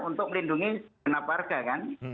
untuk melindungi segenap warga kan